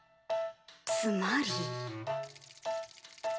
つまり。